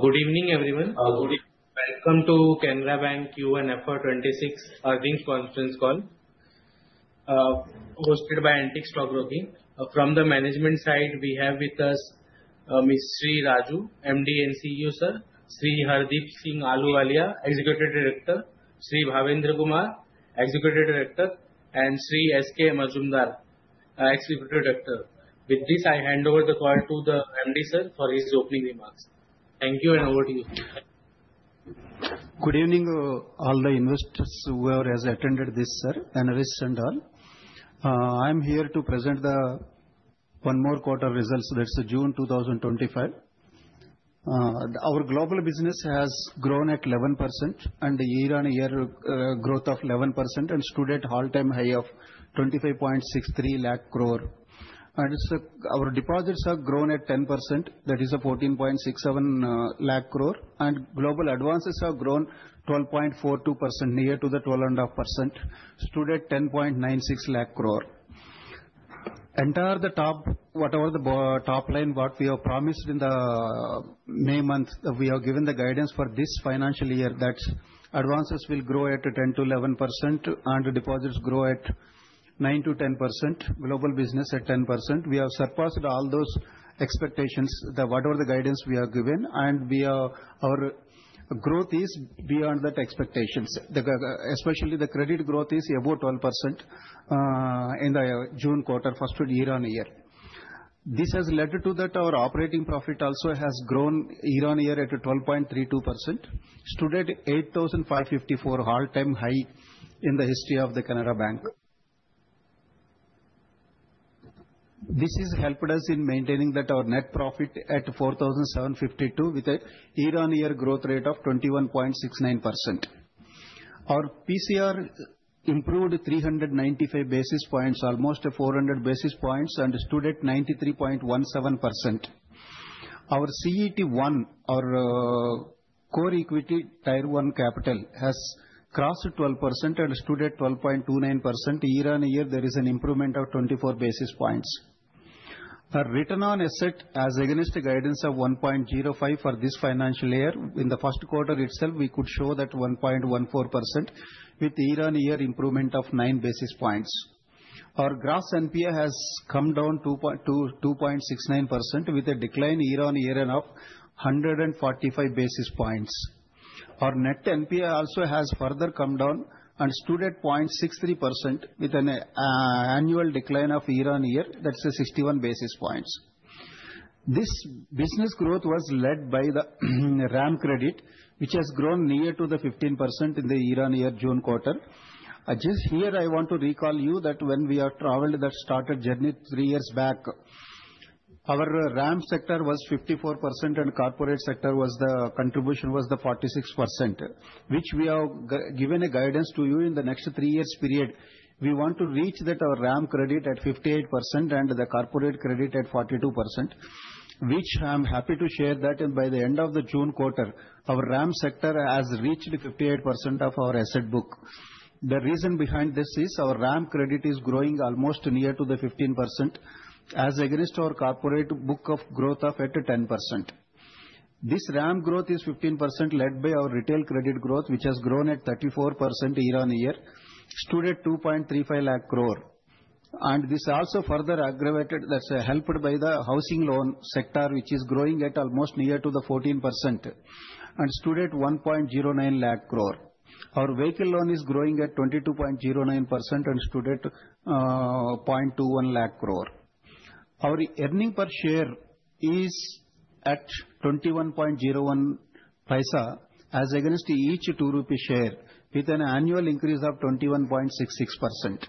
Good evening, everyone. Good evening. Welcome to Canara Bank Q4 FY26 earnings conference call. Antique Stock Broking. From the management side, we have with us Mr. K. Satyanarayana Raju, MD and CEO; Hardeep Singh Ahluwalia, Executive Director; Bhavendra Kumar, Executive Director; and S. K. Majumdar, Executive Director. With this, I hand over the call to the MD, sir, for his opening remarks. Thank you and over to you. Good evening, all the investors who have attended this, sir, analysts and all. I am here to present the one more quarter results. That is June 2025. Our global business has grown at 11% and year-on-year growth of 11% and stood at all-time high of 25.63 lakh crore. Our deposits have grown at 10%. That is 14.67 lakh crore. Global advances have grown 12.42%, near to the 12.5%, stood at 10.96 lakh crore. Entire the top, whatever the top line, what we have promised in the May month, we have given the guidance for this financial year. That is advances will grow at 10%-11% and deposits grow at 9%-10%, global business at 10%. We have surpassed all those expectations, whatever the guidance we have given. Our growth is beyond that expectation. Especially the credit growth is above 12%. In the June quarter, first year on year. This has led to that our operating profit also has grown year-on-year at 12.32%, stood at 8,554 crore, all-time high in the history of Canara Bank. This has helped us in maintaining our net profit at 4,752 crore with a year-on-year growth rate of 21.69%. Our PCR improved 395 basis points, almost 400 basis points, and stood at 93.17%. Our CET1, our core equity tier one capital, has crossed 12% and stood at 12.29%. Year-on-year, there is an improvement of 24 basis points. Our return on asset has, against the guidance of 1.05% for this financial year, in the first quarter itself, we could show that 1.14% with year-on-year improvement of 9 basis points. Our gross NPA has come down to 2.69% with a decline year-on-year of 145 basis points. Our net NPA also has further come down and stood at 0.63% with an annual decline of year-on-year, that is 61 basis points. This business growth was led by the RAM credit, which has grown near to 15% in the year-on-year June quarter. Just here, I want to recall you that when we have traveled, that started journey three years back. Our RAM sector was 54% and corporate sector contribution was 46%, which we have given a guidance to you in the next three years period. We want to reach that our RAM credit at 58% and the corporate credit at 42%, which I am happy to share that by the end of the June quarter, our RAM sector has reached 58% of our asset book. The reason behind this is our RAM credit is growing almost near to 15% as against our corporate book of growth of 10%. This RAM growth is 15% led by our retail credit growth, which has grown at 34% year-on-year, stood at 2.35 lakh crore. This also further aggravated, that is helped by the housing loan sector, which is growing at almost near to 14% and stood at 1.09 lakh crore. Our vehicle loan is growing at 22.09% and stood at 0.21 lakh crore. Our earning per share is at 21.01 paisa as against each 2 rupee share with an annual increase of 21.66%.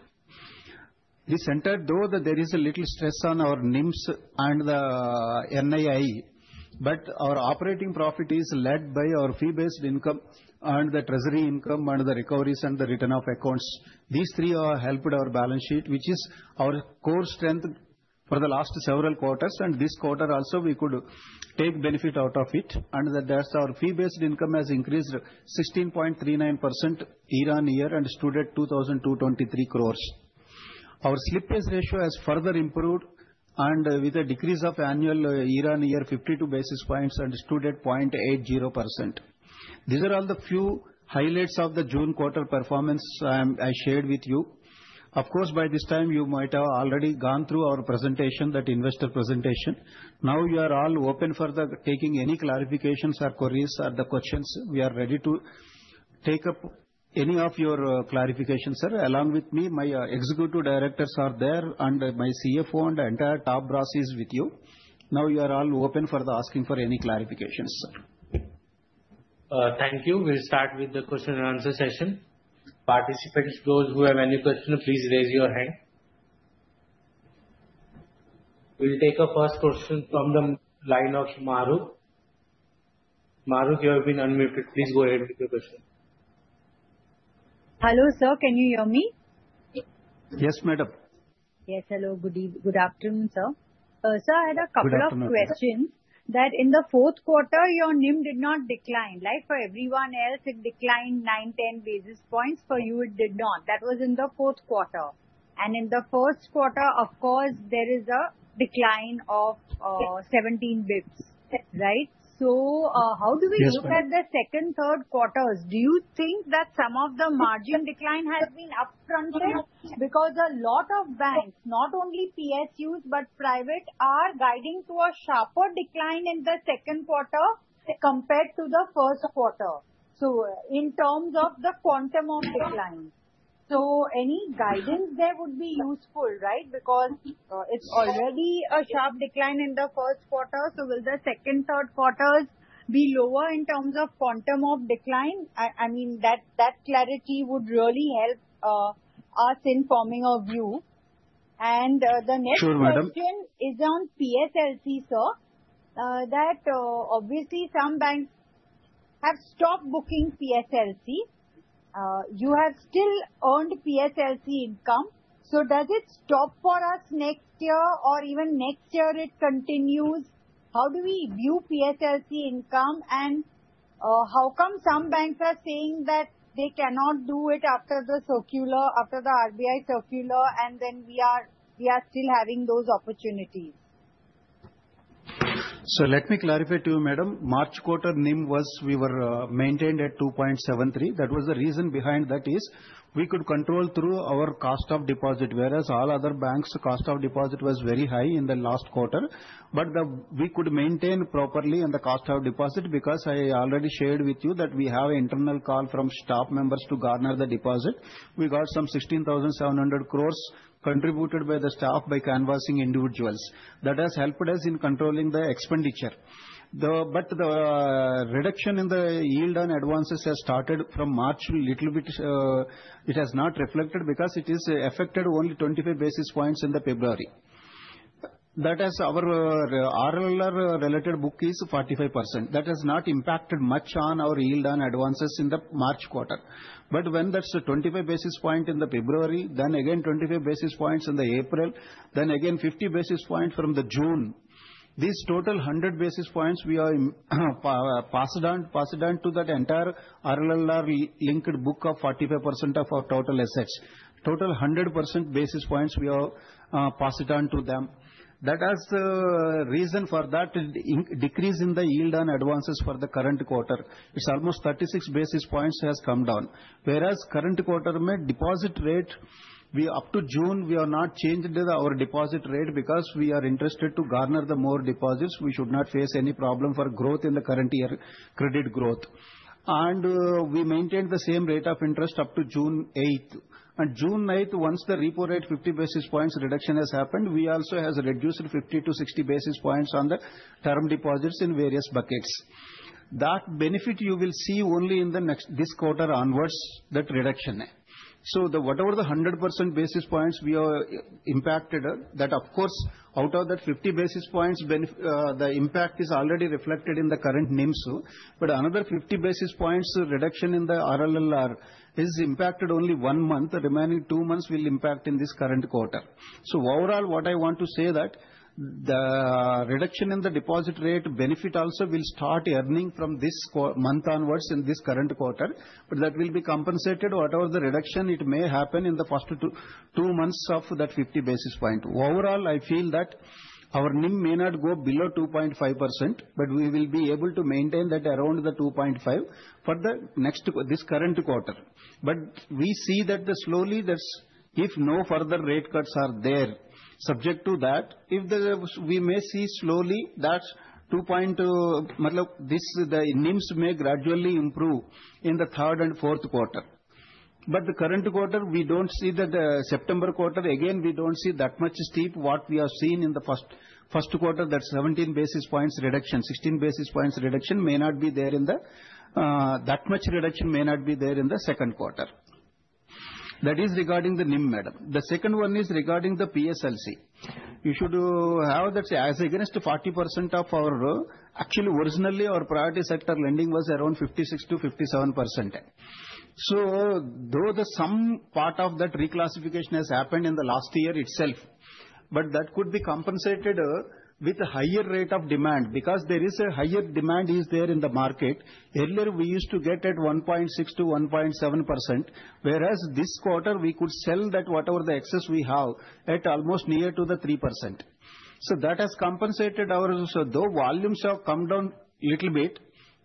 This centered though that there is a little stress on our NIMs and the NII, but our operating profit is led by our fee-based income and the treasury income and the recoveries and the return of accounts. These three have helped our balance sheet, which is our core strength for the last several quarters. This quarter also, we could take benefit out of it. Our fee-based income has increased 16.39% year-on-year and stood at 2,223 crore. Our slippage ratio has further improved with a decrease of annual year-on-year 52 basis points and stood at 0.80%. These are all the few highlights of the June quarter performance I shared with you. Of course, by this time, you might have already gone through our investor presentation. Now you are all open for taking any clarifications or queries or the questions. We are ready to take up any of your clarifications, sir. Along with me, my Executive Directors are there and my CFO and entire top brass is with you. Now you are all open for asking for any clarifications, sir. Thank you. We will start with the question and answer session. Participants, those who have any question, please raise your hand. We will take the first question from the line of Maruk. Maruk, you have been unmuted. Please go ahead with your question. Hello, sir. Can you hear me? Yes, madam. Yes, hello. Good afternoon, sir. Sir, I had a couple of questions. That in the fourth quarter, your NIM did not decline. Like for everyone else, it declined 9-10 basis points. For you, it did not. That was in the fourth quarter. In the first quarter, of course, there is a decline of 17 basis points. Right? How do we look at the second, third quarters? Do you think that some of the margin decline has been upfronted? Because a lot of banks, not only PSUs but private, are guiding to a sharper decline in the second quarter compared to the first quarter. In terms of the quantum of decline, any guidance there would be useful, right? Because it is already a sharp decline in the first quarter. Will the second, third quarters be lower in terms of quantum of decline? I mean, that clarity would really help us in forming a view. The next question is on PSLC, sir. Obviously, some banks have stopped booking PSLC. You have still earned PSLC income. Does it stop for us next year or even next year it continues? How do we view PSLC income? How come some banks are saying that they cannot do it after the RBI circular and then we are still having those opportunities? Let me clarify to you, madam. March quarter NIM was we were maintained at 2.73%. The reason behind that is we could control through our cost of deposit, whereas all other banks' cost of deposit was very high in the last quarter. We could maintain properly in the cost of deposit because I already shared with you that we have an internal call from staff members to garner the deposit. We got some 16,700 crore contributed by the staff by canvassing individuals. That has helped us in controlling the expenditure. The reduction in the yield on advances has started from March. A little bit, it has not reflected because it is affected only 25 basis points in February. Our RLLR related book is 45%. That has not impacted much on our yield on advances in the March quarter. When that 25 basis points in February, then again 25 basis points in April, then again 50 basis points from June, these total 100 basis points we are passed on to that entire RLLR linked book of 45% of our total assets. Total 100 basis points we have passed on to them. That is a reason for that decrease in the yield on advances for the current quarter. It's almost 36 basis points has come down. Whereas current quarter deposit rate, up to June, we have not changed our deposit rate because we are interested to garner more deposits. We should not face any problem for growth in the current year credit growth. We maintained the same rate of interest up to June 8. On June 8, once the repo rate 50 basis points reduction has happened, we also have reduced 50-60 basis points on the term deposits in various buckets. That benefit you will see only in this quarter onwards, that reduction. Whatever the 100 basis points we have impacted, of course out of that 50 basis points, the impact is already reflected in the current NIM. Another 50 basis points reduction in the RLLR is impacted only one month. The remaining two months will impact in this current quarter. Overall, what I want to say is that the reduction in the deposit rate benefit also will start earning from this month onwards in this current quarter. That will be compensated whatever the reduction it may happen in the first two months of that 50 basis points. Overall, I feel that our NIM may not go below 2.5%, but we will be able to maintain that around the 2.5% for this current quarter. We see that slowly that if no further rate cuts are there, subject to that, we may see slowly that the NIM may gradually improve in the third and fourth quarter. The current quarter, we do not see that September quarter, again, we do not see that much steep what we have seen in the first quarter, that 17 basis points reduction, 16 basis points reduction may not be there. That much reduction may not be there in the second quarter. That is regarding the NIM, madam. The second one is regarding the PSLC. You should have that as against 40% of our actually originally our priority sector lending was around 56%-57%. Though some part of that reclassification has happened in the last year itself, that could be compensated with a higher rate of demand because there is a higher demand in the market. Earlier, we used to get at 1.6%-1.7%, whereas this quarter, we could sell that whatever the excess we have at almost near to the 3%. That has compensated our, though volumes have come down a little bit.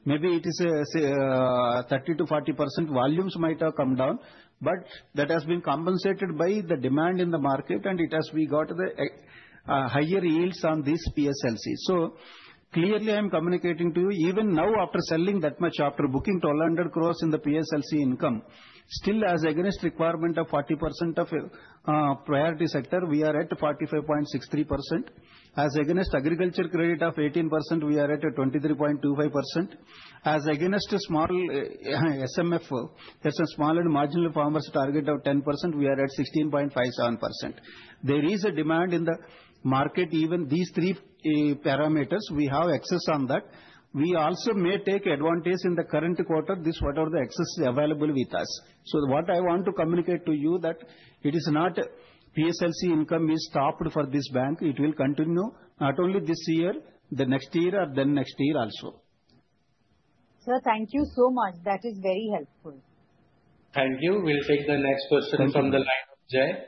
Maybe it is 30%-40% volumes might have come down, but that has been compensated by the demand in the market and we got the higher yields on this PSLC. Clearly, I am communicating to you, even now after selling that much, after booking 1,200 crore in the PSLC income, still as against requirement of 40% of priority sector, we are at 45.63%. As against agriculture credit of 18%, we are at 23.25%. As against small, SMF, that is small and marginal farmers target of 10%, we are at 16.57%. There is a demand in the market, even these three parameters, we have excess on that. We also may take advantage in the current quarter, whatever the excess is available with us. What I want to communicate to you is that it is not PSLC income is stopped for this bank. It will continue not only this year, the next year, or the next year also. Sir, thank you so much. That is very helpful. Thank you. We will take the next question from Jai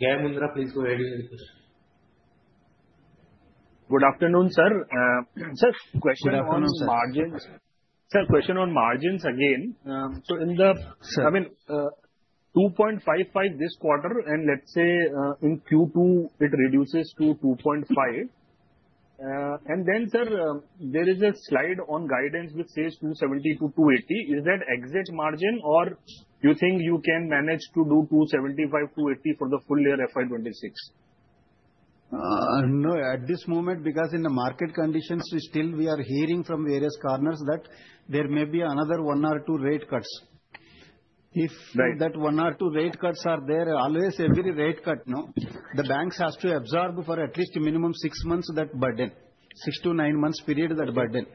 Mahindra. Please go ahead with your question. Good afternoon, sir. Sir, question on margins. Sir, question on margins again. In the, I mean, 2.55 this quarter, and let's say in Q2, it reduces to 2.5. Then, sir, there is a slide on guidance which says 2.70-2.80. Is that exit margin or you think you can manage to do 2.75, 2.80 for the full year FY2026? No, at this moment, because in the market conditions, still we are hearing from various corners that there may be another one or two rate cuts. If that one or two rate cuts are there, always every rate cut, the banks have to absorb for at least minimum six months that burden, six to nine months period that burden.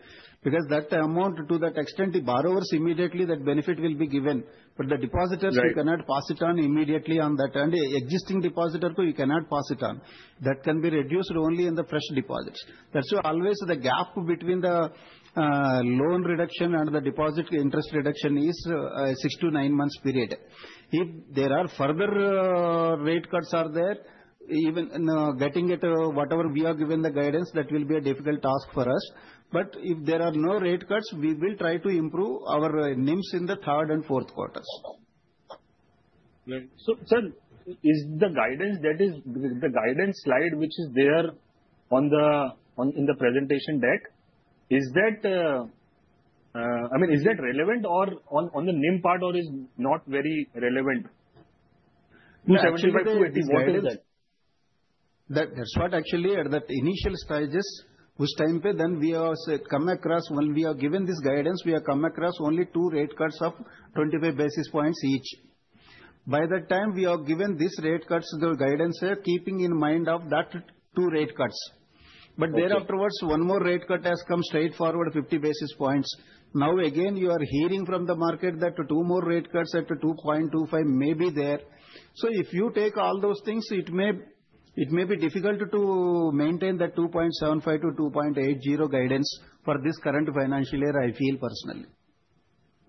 Because that amount to that extent, the borrowers immediately that benefit will be given. The depositors, you cannot pass it on immediately on that. An existing depositor, you cannot pass it on. That can be reduced only in the fresh deposits. That is why always the gap between the loan reduction and the deposit interest reduction is a six to nine months period. If there are further rate cuts are there, even getting it, whatever we are given the guidance, that will be a difficult task for us. If there are no rate cuts, we will try to improve our NIMs in the third and fourth quarters. Sir, is the guidance, that is, the guidance slide which is there in the presentation deck, is that, I mean, is that relevant or on the NIM part or is it not very relevant? That's what actually at that initial stages was time pay, then we have come across when we are given this guidance, we have come across only two rate cuts of 25 basis points each. By that time, we are given this rate cuts, the guidance keeping in mind of that two rate cuts. Thereafter, one more rate cut has come straight forward, 50 basis points. Now, again, you are hearing from the market that two more rate cuts at 2.25 may be there. If you take all those things, it may be difficult to maintain that 2.75-2.80 guidance for this current financial year, I feel personally.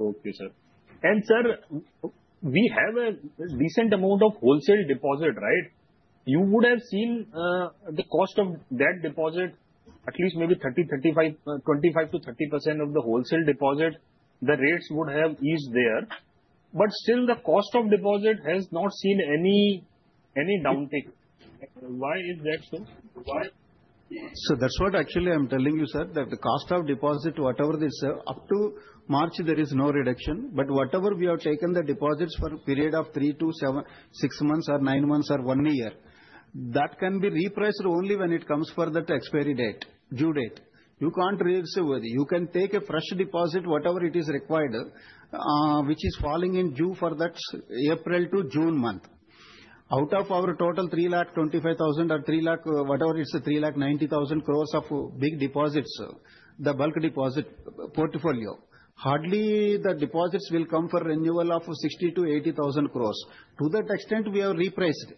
Okay, sir. And, sir, we have a decent amount of wholesale deposit, right? You would have seen the cost of that deposit, at least maybe 30%-35%, 25%-30% of the wholesale deposit, the rates would have eased there. But still, the cost of deposit has not seen any downtake. Why is that so? That's what actually I'm telling you, sir, that the cost of deposit, whatever it is up to March, there is no reduction. Whatever we have taken, the deposits for a period of three to six months or nine months or one year, that can be repriced only when it comes for that expiry date, due date. You can't reach with it. You can take a fresh deposit, whatever it is required, which is falling due for that April to June month. Out of our total 3,25,000 crore or 3 lakh, whatever it is, 3,90,000 crore of big deposits, the bulk deposit portfolio, hardly the deposits will come for renewal of 60,000-80,000 crore. To that extent, we have repriced.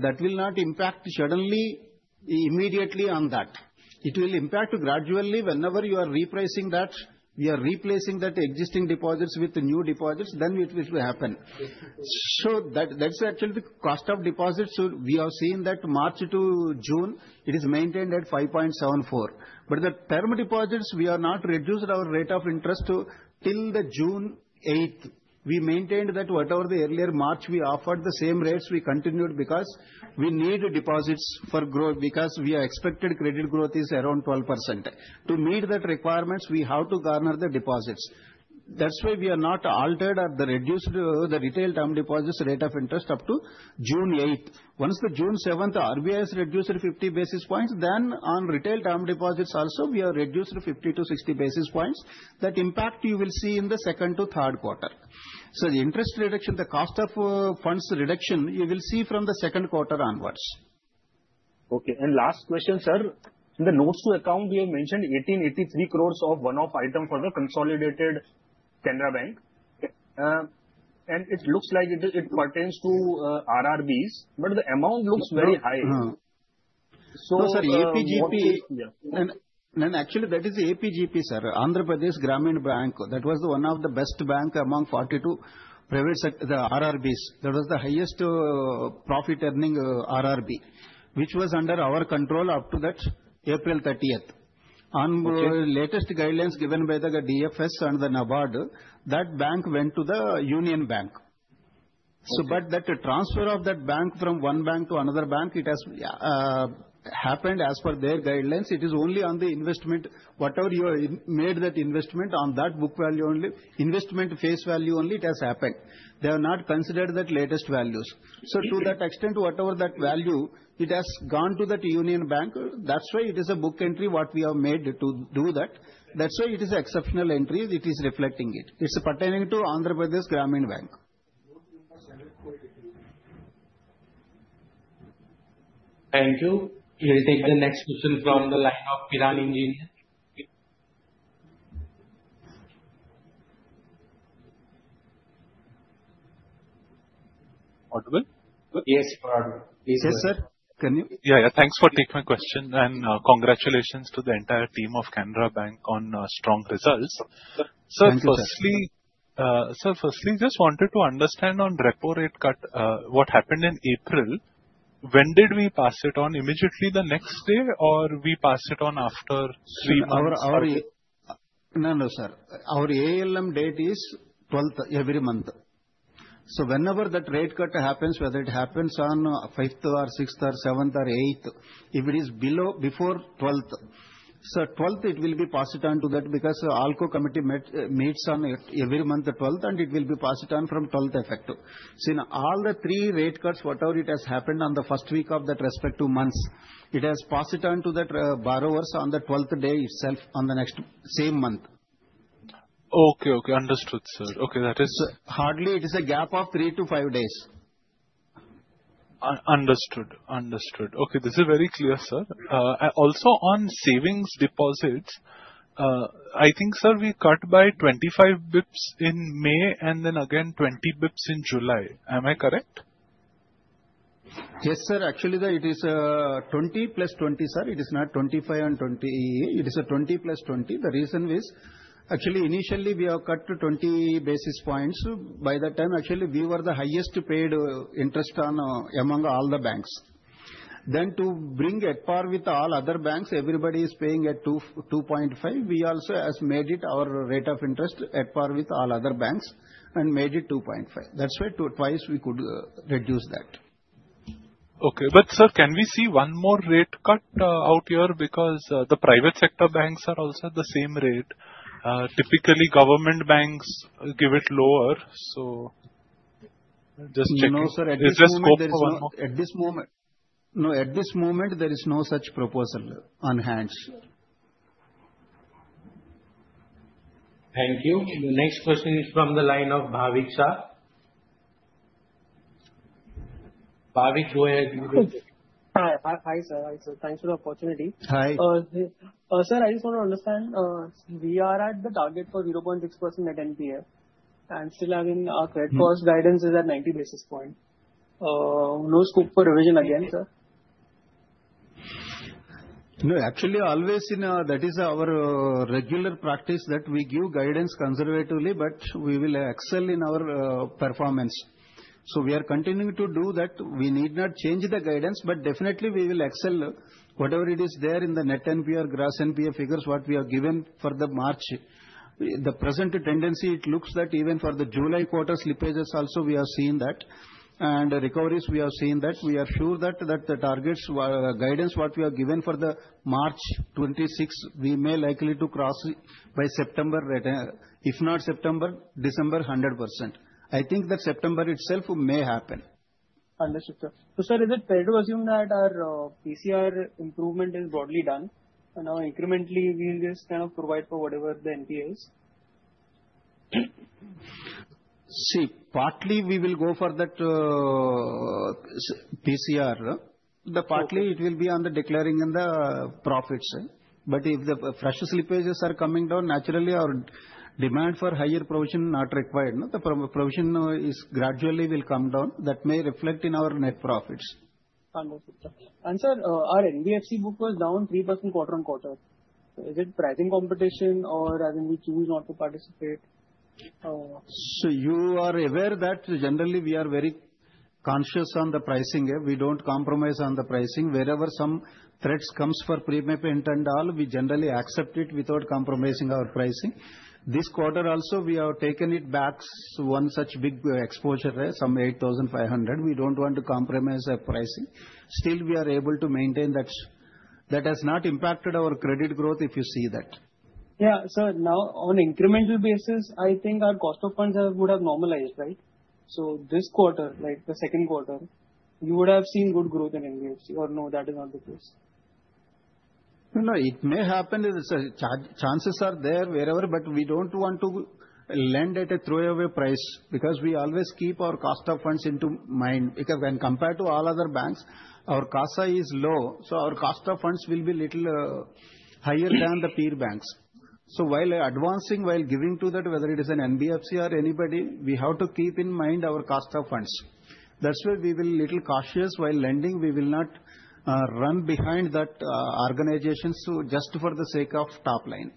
That will not impact suddenly, immediately on that. It will impact gradually whenever you are repricing that, we are replacing that existing deposits with new deposits, then it will happen. That's actually the cost of deposits. We have seen that March to June, it is maintained at 5.74%. The term deposits, we have not reduced our rate of interest till June 8. We maintained that whatever the earlier March we offered, the same rates we continued because we need deposits for growth because our expected credit growth is around 12%. To meet that requirement, we have to garner the deposits. That's why we have not altered or reduced the retail term deposits rate of interest up to June 8. Once June 7, RBI has reduced 50 basis points, then on retail term deposits also, we have reduced 50-60 basis points. That impact you will see in the second to third quarter. The interest reduction, the cost of funds reduction, you will see from the second quarter onwards. Okay. Last question, sir. In the notes to account, we have mentioned 1,883 crore of one-off item for the Consolidated Canara Bank. It looks like it pertains to RRBs, but the amount looks very high. Sir, APGB. Actually, that is APGB, sir. Andhra Pragati Grameena Bank, that was one of the best bank among 42 private sector RRBs. That was the highest profit earning RRB, which was under our control up to that April 30th. On latest guidelines given by the DFS and the NABARD, that bank went to the Union Bank of India. That transfer of that bank from one bank to another bank, it has happened as per their guidelines. It is only on the investment, whatever you made that investment on that book value only, investment face value only, it has happened. They have not considered that latest values. To that extent, whatever that value, it has gone to that Union Bank of India. That is why it is a book entry what we have made to do that. That is why it is exceptional entry. It is reflecting it. It is pertaining to Andhra Pragati Grameena Bank. Thank you. We will take the next question from the line of Piran Engineer. Audible? Yes, sir. Yes, sir. Can you? Yeah, yeah. Thanks for taking my question. Congratulations to the entire team of Canara Bank on strong results. Sir. Thank you. Firstly, sir, firstly, just wanted to understand on repo rate cut, what happened in April? When did we pass it on? Immediately the next day or we pass it on after three months? No, no, sir. Our ALM date is 12th every month. So whenever that rate cut happens, whether it happens on 5th or 6th or 7th or 8th, if it is before 12th, 12th, it will be passed on to that because ALCO committee meets on every month 12th and it will be passed on from 12th effect. See, all the three rate cuts, whatever it has happened on the first week of that respective months, it has passed on to that borrowers on the 12th day itself on the next same month. Okay, okay. Understood, sir. Okay, that is. Hardly, it is a gap of three to five days. Understood, understood. Okay, this is very clear, sir. Also on savings deposits, I think, sir, we cut by 25 basis points in May and then again 20 basis points in July. Am I correct? Yes, sir. Actually, it is 20+ 20, sir. It is not 25 and 20. It is a 20+ 20. The reason is actually initially we have cut to 20 basis points. By that time, actually, we were the highest paid interest on among all the banks. Then to bring at par with all other banks, everybody is paying at 2.5%. We also have made it our rate of interest at par with all other banks and made it 2.5%. That's why twice we could reduce that. Okay, but sir, can we see one more rate cut out here because the private sector banks are also at the same rate? Typically, government banks give it lower, so just checking. No, sir. At this moment, no, at this moment, there is no such proposal on hand. Thank you. The next question is from the line of Bhavik Shah. Bhavik, go ahead. Hi, sir. Thanks for the opportunity. Sir, I just want to understand. We are at the target for 0.6% at NPA. And still, I mean, our credit cost guidance is at 90 basis points. No scope for revision again, sir? No, actually, always in that is our regular practice that we give guidance conservatively, but we will excel in our performance. We are continuing to do that. We need not change the guidance, but definitely we will excel whatever it is there in the net NPA or gross NPA figures what we have given for the March. The present tendency, it looks that even for the July quarter slippages also, we have seen that. And recoveries, we have seen that. We are sure that the targets guidance what we have given for the March 2026, we may likely to cross by September. If not September, December 100%. I think that September itself may happen. Understood, sir. Sir, is it fair to assume that our PCR improvement is broadly done? Now incrementally, we will just kind of provide for whatever the NPA is? See, partly we will go for that. PCR. Partly, it will be on the declaring in the profits. If the fresh slippages are coming down, naturally, our demand for higher provision not required. The provision is gradually will come down. That may reflect in our net profits. Understood, sir. Sir, our NBFC book was down 3% quarter on quarter. Is it pricing competition or have we chosen not to participate? You are aware that generally we are very conscious on the pricing. We do not compromise on the pricing. Wherever some threats come for prepayment and all, we generally accept it without compromising our pricing. This quarter also, we have taken back one such big exposure, some 8,500. We do not want to compromise our pricing. Still, we are able to maintain that. That has not impacted our credit growth, if you see that. Yeah, sir, now on incremental basis, I think our cost of funds would have normalized, right? This quarter, like the second quarter, you would have seen good growth in NBFC. Or no, that is not the case? No, it may happen. Chances are there wherever, but we do not want to lend at a throwaway price because we always keep our cost of funds in mind. Because when compared to all other banks, our cost is low. So our cost of funds will be a little higher than the peer banks. While advancing, while giving to that, whether it is an NBFC or anybody, we have to keep in mind our cost of funds. That is why we will be a little cautious while lending. We will not run behind that organizations just for the sake of top line.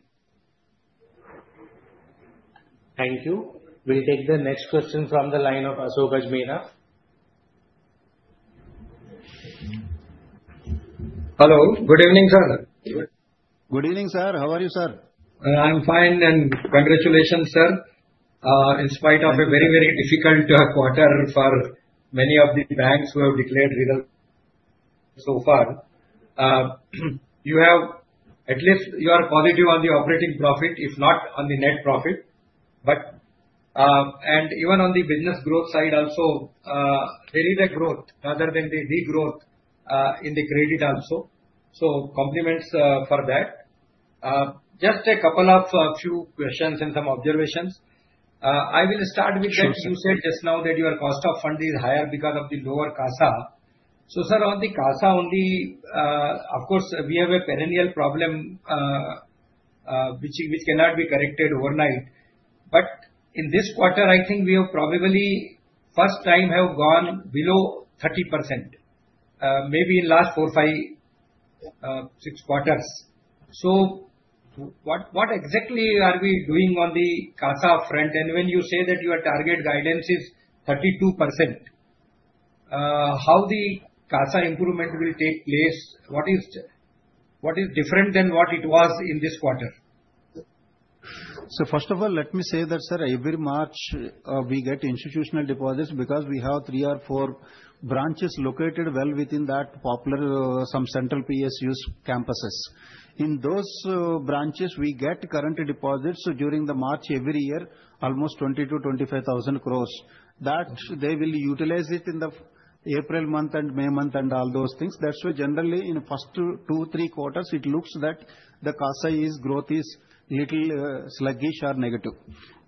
Thank you. We'll take the next question from the line of Ashok Ajmera. Hello. Good evening, sir. Good evening, sir. How are you, sir? I'm fine. Congratulations, sir. In spite of a very, very difficult quarter for many of the banks who have declared results so far, you have at least, you are positive on the operating profit, if not on the net profit. Even on the business growth side also, there is a growth rather than the growth in the credit also. Compliments for that. Just a couple of questions and some observations. I will start with that. You said just now that your cost of fund is higher because of the lower CASA. Sir, on the CASA only, of course, we have a perennial problem, which cannot be corrected overnight. In this quarter, I think we have probably, for the first time, gone below 30%, maybe in the last four, five, six quarters. What exactly are we doing on the CASA front? When you say that your target guidance is 32%, how will the CASA improvement take place? What is different than what it was in this quarter? First of all, let me say that, sir, every March we get institutional deposits because we have three or four branches located well within that popular, some central PSUs campuses. In those branches, we get current deposits during March every year, almost 20,000-25,000 crore. They will utilize it in the April month and May month and all those things. That is why generally in the first two, three quarters, it looks that the CASA growth is a little sluggish or negative.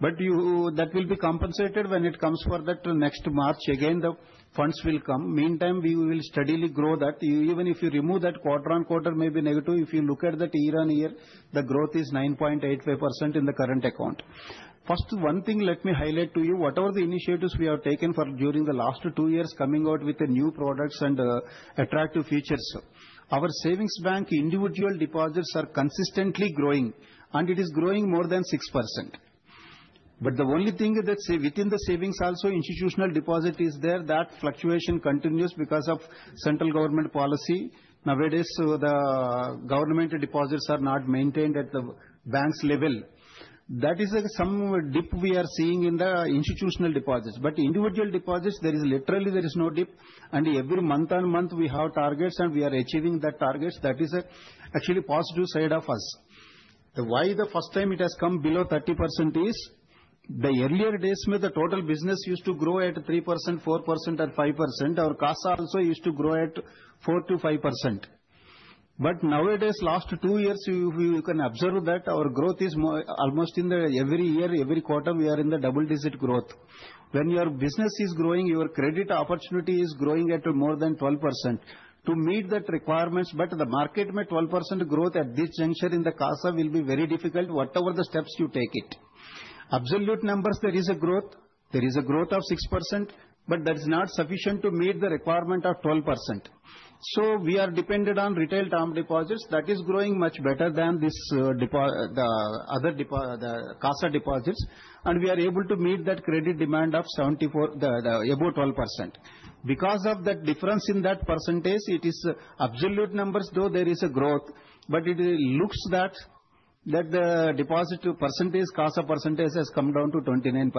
That will be compensated when it comes for that next March. Again, the funds will come. Meantime, we will steadily grow that. Even if you remove that, quarter on quarter may be negative, if you look at that year on year, the growth is 9.85% in the current account. One thing let me highlight to you, whatever the initiatives we have taken during the last two years, coming out with the new products and attractive features, our savings bank individual deposits are consistently growing. It is growing more than 6%. The only thing is, within the savings also, institutional deposit is there. That fluctuation continues because of central government policy. Nowadays, the government deposits are not maintained at the bank's level. That is some dip we are seeing in the institutional deposits. Individual deposits, there is literally no dip. Every month on month, we have targets and we are achieving those targets. That is actually a positive side for us. Why the first time it has come below 30% is, in the earlier days where the total business used to grow at 3%, 4%, and 5%, our CASA also used to grow at 4%-5%. Nowadays, last two years, if you can observe, our growth is almost in every year, every quarter, we are in the double-digit growth. When your business is growing, your credit opportunity is growing at more than 12%. To meet that requirement, the market may, 12% growth at this juncture in the CASA will be very difficult, whatever the steps you take. Absolute numbers, there is a growth. There is a growth of 6%, but that is not sufficient to meet the requirement of 12%. We are dependent on retail term deposits. That is growing much better than this, other CASA deposits. We are able to meet that credit demand of 74% above 12%. Because of that difference in that percentage, it is absolute numbers, though there is a growth, but it looks that the deposit percentage, CASA percentage, has come down to 29%.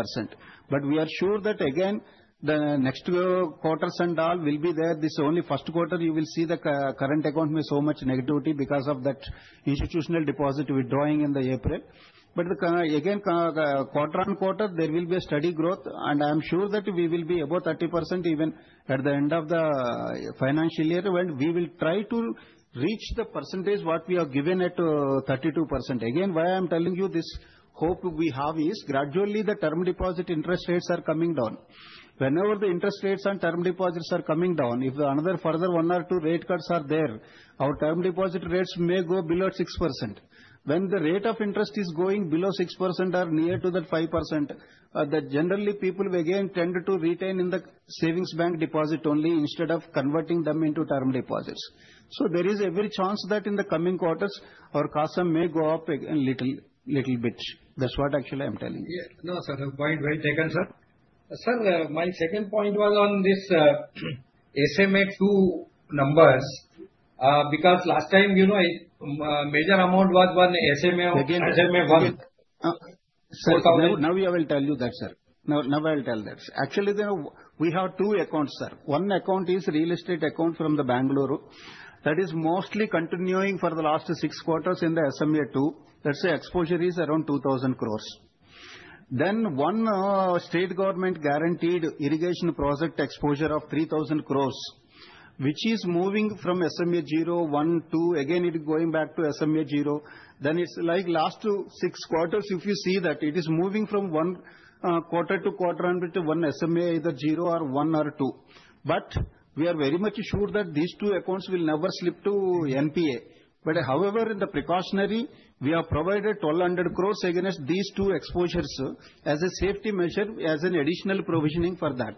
We are sure that again, the next quarters and all will be there. This only first quarter, you will see the current account may show much negativity because of that institutional deposit withdrawing in April. Again, quarter on quarter, there will be a steady growth. I am sure that we will be above 30% even at the end of the financial year. We will try to reach the percentage we have given at 32%. Again, why I am telling you this hope we have is gradually the term deposit interest rates are coming down. Whenever the interest rates on term deposits are coming down, if another further one or two rate cuts are there, our term deposit rates may go below 6%. When the rate of interest is going below 6% or near to that 5%, generally people again tend to retain in the savings bank deposit only instead of converting them into term deposits. There is every chance that in the coming quarters, our CASA may go up a little bit. That is what actually I am telling you. No, sir, point well taken, sir. Sir, my second point was on this. SMA 2 numbers. Because last time, you know, a major amount was one SMA 1. SMA 1. Sir, now I will tell you that. Actually, we have two accounts, sir. One account is a real estate account from Bangalore. That is mostly continuing for the last six quarters in the SMA 2. The exposure is around 2,000 crore. Then one state government guaranteed irrigation project exposure of 3,000 crore, which is moving from SMA 0, 1, 2. Again, it is going back to SMA 0. For the last six quarters, if you see, it is moving from one quarter to quarter and to one SMA, either 0 or 1 or 2. We are very much sure that these two accounts will never slip to NPA. However, as a precautionary measure, we have provided 1,200 crore against these two exposures as a safety measure, as an additional provisioning for that.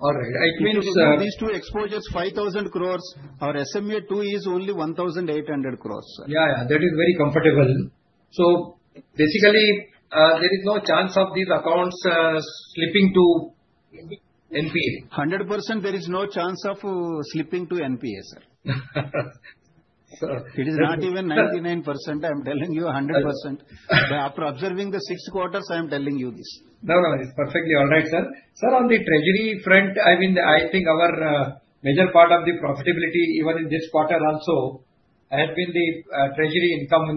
All right. It means these two exposures, 5,000 crore, our SMA 2 is only 1,800 crore, sir. Yeah, yeah. That is very comfortable. So basically, there is no chance of these accounts slipping to NPA. 100% there is no chance of slipping to NPA, sir. It is not even 99%, I am telling you, 100%. After observing the six quarters, I am telling you this. No, no, it's perfectly all right, sir. Sir, on the treasury front, I mean, I think our major part of the profitability, even in this quarter also, has been the treasury income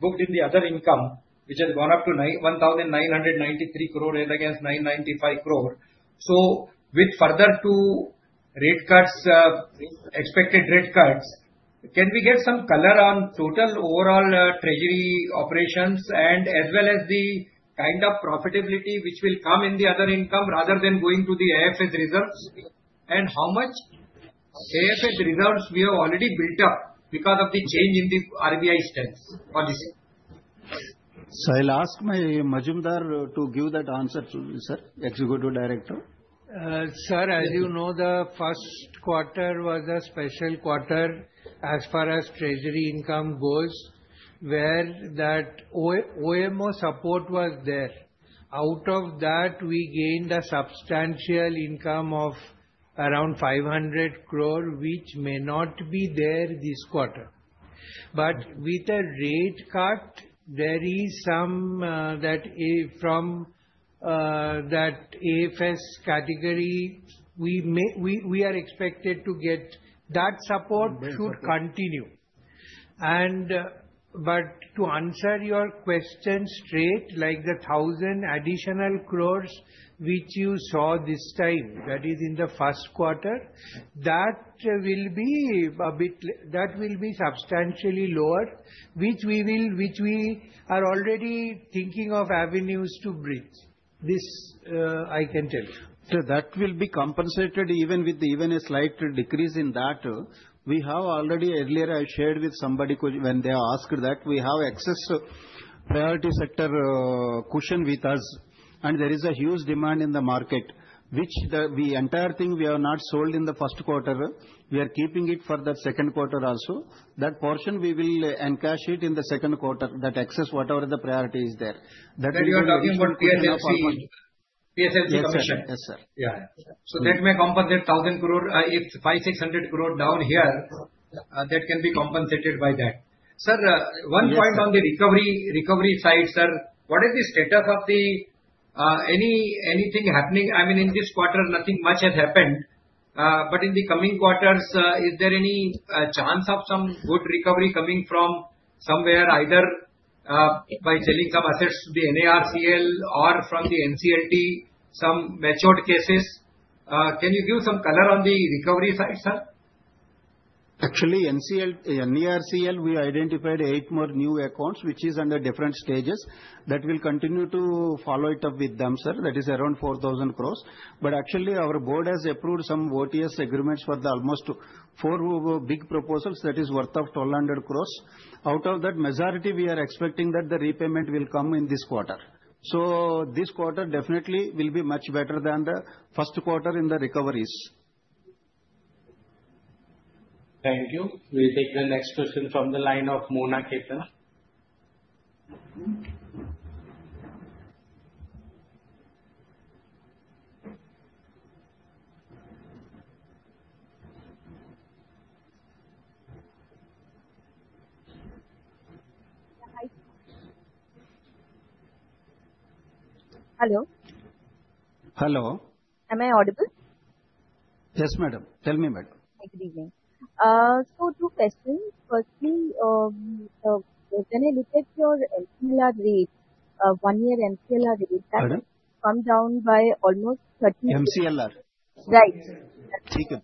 booked in the other income, which has gone up to 1,993 crore against 995 crore. With further two rate cuts, expected rate cuts, can we get some color on total overall treasury operations as well as the kind of profitability which will come in the other income rather than going to the AFS results? How much AFS results have we already built up because of the change in the RBI steps? I'll ask Majumdar to give that answer to you, sir, Executive Director. Sir, as you know, the first quarter was a special quarter as far as treasury income goes, where that OMO support was there. Out of that, we gained a substantial income of around 500 crore, which may not be there this quarter. With the rate cut, there is some that from. That AFS category, we are expected to get that support should continue. To answer your question straight, like the 1,000 crore additional which you saw this time, that is in the first quarter, that will be a bit, that will be substantially lower, which we are already thinking of avenues to bridge. This I can tell you. That will be compensated even with even a slight decrease in that. We have already earlier, I shared with somebody when they asked that we have excess priority sector cushion with us. There is a huge demand in the market, which the entire thing we have not sold in the first quarter. We are keeping it for the second quarter also. That portion we will encash in the second quarter, that excess, whatever the priority is there. You are talking about PSLC. PSLC commission. Yes, sir. Yeah, yeah. That may compensate 1,000 crore. If 5,600 crore down here, that can be compensated by that. Sir, one point on the recovery side, sir, what is the status of the—anything happening? I mean, in this quarter, nothing much has happened. In the coming quarters, is there any chance of some good recovery coming from somewhere, either by selling some assets to the NARCL or from the NCLT, some matured cases? Can you give some color on the recovery side, sir? Actually, NARCL, we identified eight more new accounts, which is under different stages. That will continue to follow it up with them, sir. That is around 4,000 crore. Actually, our board has approved some OTS agreements for almost four big proposals that is worth 1,200 crore. Out of that, majority we are expecting that the repayment will come in this quarter. This quarter definitely will be much better than the first quarter in the recoveries. Thank you. We'll take the next question from the line of Mona Ketan. Hello. Hello. Am I audible? Yes, madam. Tell me, madam. Good evening. Two questions. Firstly, when I look at your MCLR rate, one-year MCLR rate, that has come down by almost 30%. MCLR. Right. ठीक है.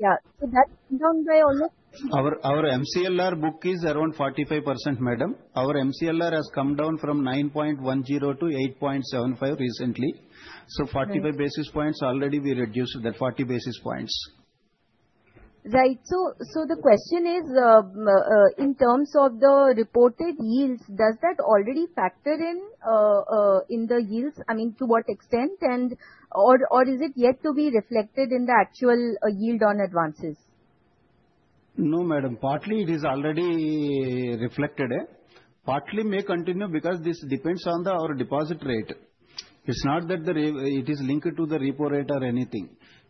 Yeah. That's come down by almost. Our MCLR book is around 45%, madam. Our MCLR has come down from 9.10 to 8.75 recently. 45 basis points already we reduced that 40 basis points. Right. So the question is, in terms of the reported yields, does that already factor in the yields? I mean, to what extent? Or is it yet to be reflected in the actual yield on advances? No, madam. Partly, it is already reflected. Partly may continue because this depends on our deposit rate. It's not that it is linked to the repo rate or anything.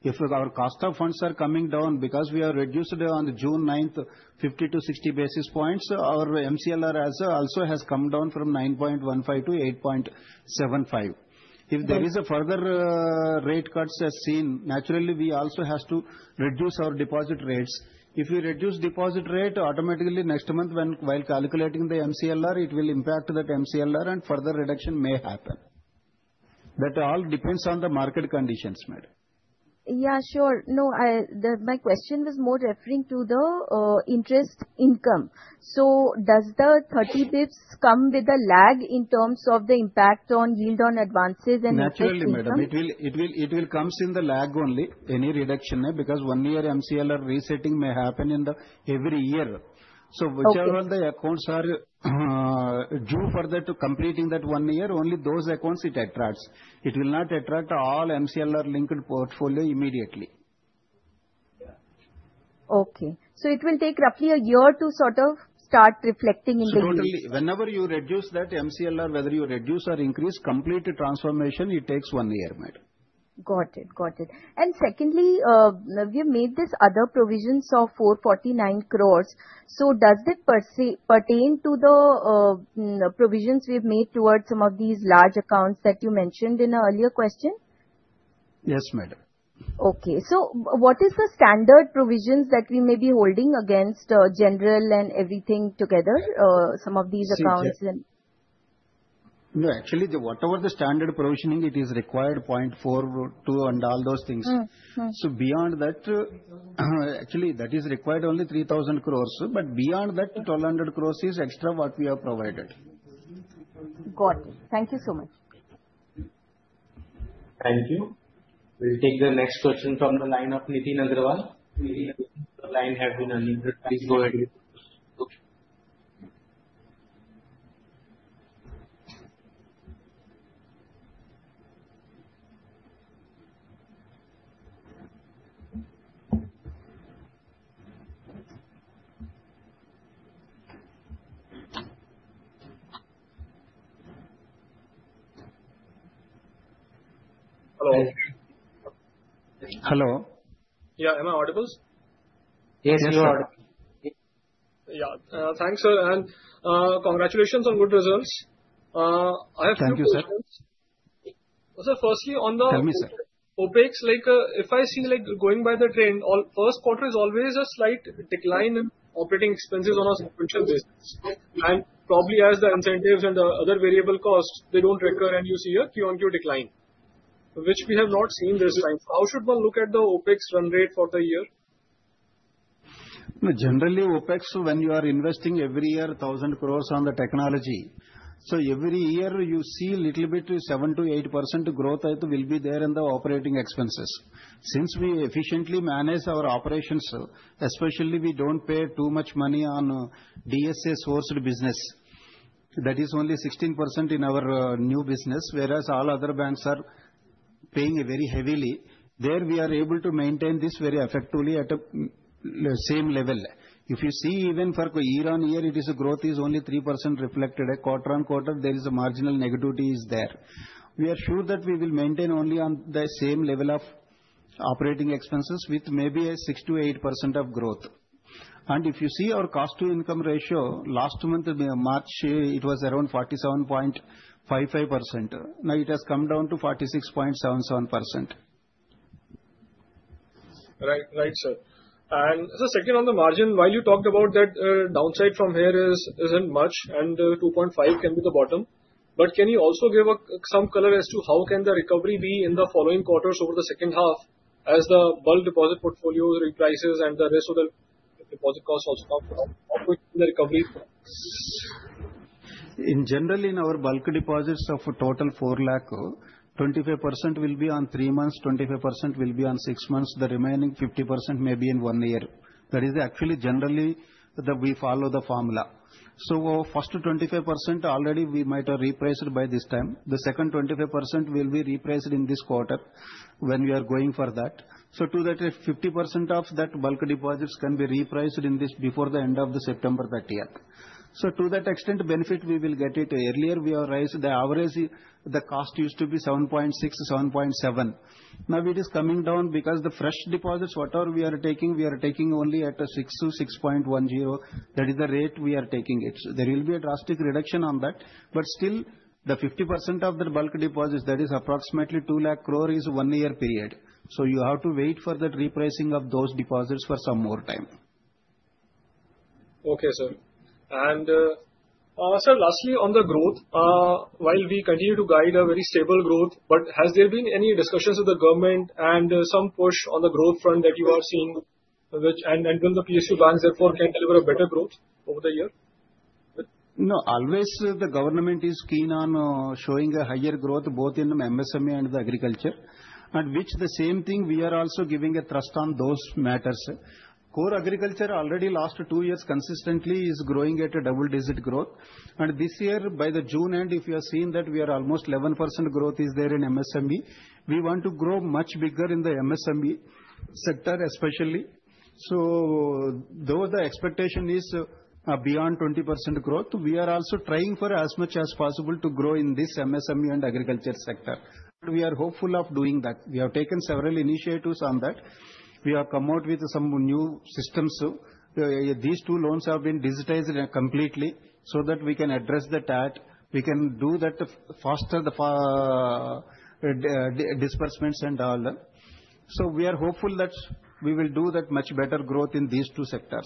If our cost of funds are coming down because we reduced on June 9th, 50-60 basis points, our MCLR also has come down from 9.15 to 8.75. If there are further rate cuts as seen, naturally we also have to reduce our deposit rates. If we reduce deposit rate, automatically next month, while calculating the MCLR, it will impact that MCLR and further reduction may happen. That all depends on the market conditions, madam. Yeah, sure. No, my question was more referring to the interest income. Does the 30 basis points come with a lag in terms of the impact on yield on advances? Naturally, madam. It will come in the lag only, any reduction because one-year MCLR resetting may happen in the every year. So whichever of the accounts are due for that completing that one year, only those accounts it attracts. It will not attract all MCLR linked portfolio immediately. Okay. So it will take roughly a year to sort of start reflecting in the yield. Totally. Whenever you reduce that MCLR, whether you reduce or increase, complete transformation, it takes one year, madam. Got it. Got it. Secondly, we have made this other provisions of 449 crore. Does that pertain to the provisions we have made towards some of these large accounts that you mentioned in an earlier question? Yes, madam. Okay. So what is the standard provisions that we may be holding against general and everything together, some of these accounts? No, actually, whatever the standard provisioning, it is required 0.42 and all those things. So beyond that. Actually, that is required only 3,000 crore. But beyond that, 1,200 crore is extra what we have provided. Got it. Thank you so much. Thank you. We'll take the next question from the line of Nitin Nagarwal. The line has been unmuted. Please go ahead. Hello. Yeah, am I audible? Yes, you are audible. Yeah. Thanks, sir. Congratulations on good results. I have two questions. Thank you, sir. Sir, firstly, on the OPEX, like if I see like going by the trend, first quarter is always a slight decline in operating expenses on a sequential basis. Probably as the incentives and the other variable costs, they do not recur and you see a Q on Q decline, which we have not seen this time. How should one look at the OPEX run rate for the year? Generally, OPEX, when you are investing every year 10 billion on the technology, every year you see a little bit 7%-8% growth, it will be there in the operating expenses. Since we efficiently manage our operations, especially we do not pay too much money on DSA-sourced business. That is only 16% in our new business, whereas all other banks are paying very heavily. There we are able to maintain this very effectively at the same level. If you see, even for year on year, the growth is only 3% reflected. Quarter on quarter, there is a marginal negativity there. We are sure that we will maintain only on the same level of operating expenses with maybe a 6%-8% growth. If you see our cost to income ratio, last month, March, it was around 47.55%. Now it has come down to 46.77%. Right, right, sir. Sir, second on the margin, while you talked about that downside from here is not much and 2.5% can be the bottom. Can you also give some color as to how can the recovery be in the following quarters over the second half as the bulk deposit portfolio reprices and the rest of the deposit costs also come up with the recovery? In general, in our bulk deposits of total 4 trillion, 25% will be on three months, 25% will be on six months, the remaining 50% may be in one year. That is actually generally we follow the formula. First 25% already we might have repriced by this time. The second 25% will be repriced in this quarter when we are going for that. To that, 50% of that bulk deposits can be repriced in this before the end of September that year. To that extent, benefit we will get it earlier. We are rising the average, the cost used to be 7.6, 7.7. Now it is coming down because the fresh deposits, whatever we are taking, we are taking only at 6%-6.10. That is the rate we are taking it. There will be a drastic reduction on that. Still, the 50% of the bulk deposits, that is approximately 2 trillion, is one-year period. You have to wait for that repricing of those deposits for some more time. Okay, sir. Sir, lastly on the growth, while we continue to guide a very stable growth, but has there been any discussions with the government and some push on the growth front that you are seeing, which and will the PSU banks therefore can deliver a better growth over the year? No, always the government is keen on showing a higher growth both in MSME and the agriculture. The same thing we are also giving a thrust on those matters. Core agriculture already last two years consistently is growing at a double-digit growth. This year by the June end, if you have seen that we are almost 11% growth is there in MSME, we want to grow much bigger in the MSME sector especially. Though the expectation is beyond 20% growth, we are also trying for as much as possible to grow in this MSME and agriculture sector. We are hopeful of doing that. We have taken several initiatives on that. We have come out with some new systems. These two loans have been digitized completely so that we can address the TAT. We can do that faster. Disbursements and all. We are hopeful that we will do that much better growth in these two sectors.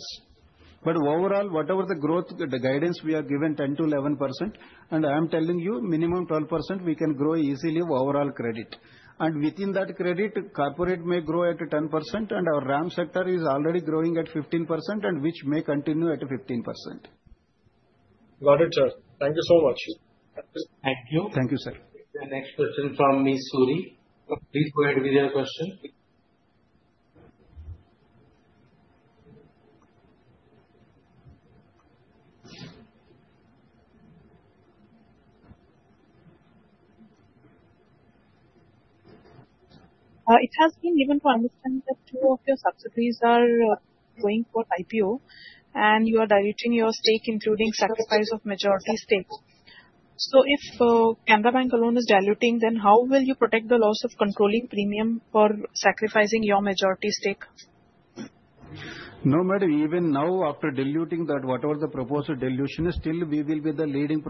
Overall, whatever the growth guidance we are given, 10%-11%, and I am telling you minimum 12%, we can grow easily overall credit. Within that credit, corporate may grow at 10% and our RAM sector is already growing at 15% and which may continue at 15%. Got it, sir. Thank you so much. Thank you. Thank you, sir. Next question from Ms. Suri. Please go ahead with your question. It has been given to understand that two of your subsidiaries are going for IPO and you are diluting your stake, including sacrifice of majority stake. If Canara Bank alone is diluting, then how will you protect the loss of controlling premium for sacrificing your majority stake? No, madam. Even now, after diluting that, whatever the proposed dilution is, still we will be the leading,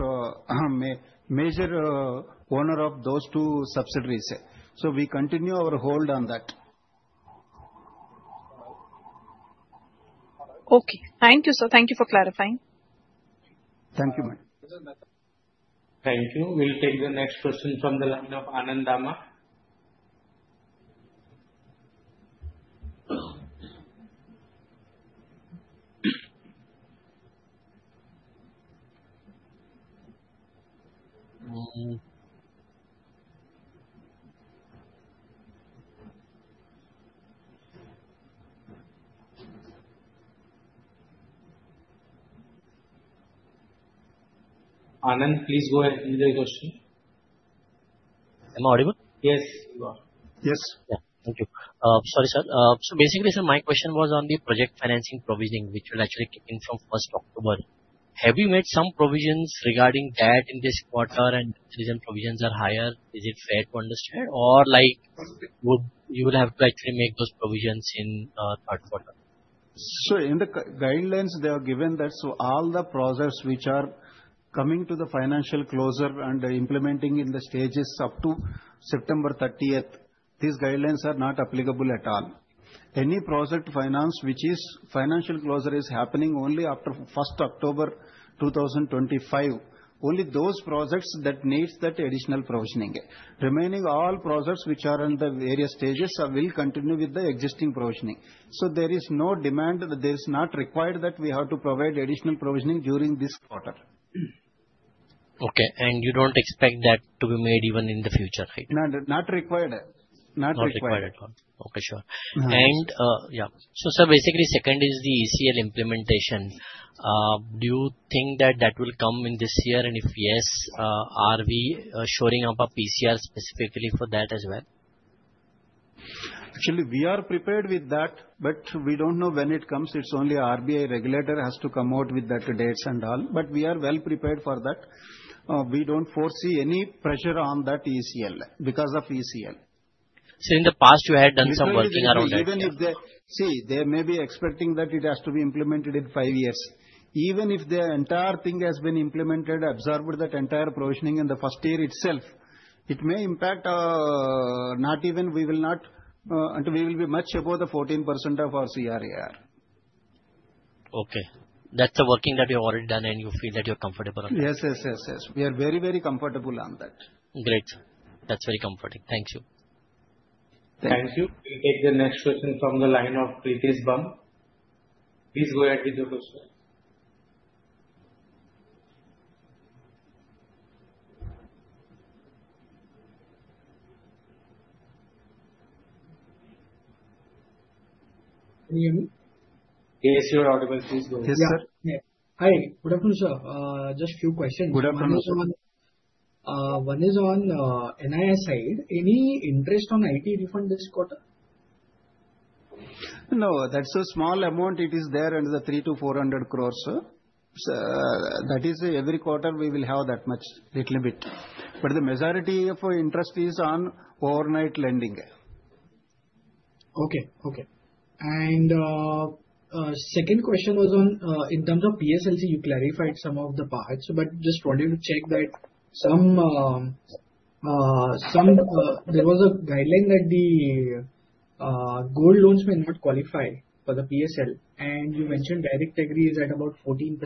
major owner of those two subsidiaries. So we continue our hold on that. Okay. Thank you, sir. Thank you for clarifying. Thank you, madam. Thank you. We'll take the next question from the line of Anand. Anand, please go ahead with your question. Am I audible? Yes. Yes. Thank you. Sorry, sir. So basically, sir, my question was on the project financing provision, which will actually kick in from 1 October. Have we made some provisions regarding that in this quarter and provisions are higher? Is it fair to understand or like, you will have to actually make those provisions in third quarter? Sir, in the guidelines, they are given that all the projects which are coming to the financial closure and implementing in the stages up to September 30th, these guidelines are not applicable at all. Any project finance which is financial closure is happening only after October 1, 2025. Only those projects that need that additional provisioning. Remaining all projects which are in the various stages will continue with the existing provisioning. There is no demand that there is not required that we have to provide additional provisioning during this quarter. Okay. You do not expect that to be made even in the future, right? Not required. Not required. Not required at all. Okay, sure. Yeah. Sir, basically, second is the ECL implementation. Do you think that that will come in this year? If yes, are we showing up a PCR specifically for that as well? Actually, we are prepared with that, but we don't know when it comes. It's only RBI regulator has to come out with that dates and all. We are well prepared for that. We don't foresee any pressure on that ECL because of ECL. In the past, you had done some working around it. Even if they, see, they may be expecting that it has to be implemented in five years. Even if the entire thing has been implemented, absorbed that entire provisioning in the first year itself, it may impact. Not even we will not, and we will be much above the 14% of our CRAR. Okay. That's a working that you have already done and you feel that you are comfortable on that? Yes, yes. We are very, very comfortable on that. Great. That's very comforting. Thank you. Thank you. We'll take the next question from the line of Prithesh Bham. Please go ahead with your question. Yes, you are audible. Please go ahead. Yes, sir. Hi. Good afternoon, sir. Just a few questions. Good afternoon, sir. One is on NII side. Any interest on IT refund this quarter? No, that's a small amount. It is there in the 300-400 crore range. That is, every quarter we will have that much, a little bit. The majority of interest is on overnight lending. Okay, okay. Second question was on in terms of PSLC, you clarified some of the parts, but just wanted to check that some. There was a guideline that the gold loans may not qualify for the PSL, and you mentioned direct agri is at about 14%.